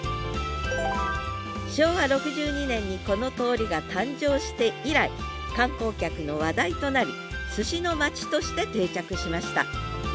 昭和６２年にこの通りが誕生して以来観光客の話題となり“すしの町”として定着しました